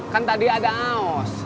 kan tadi ada os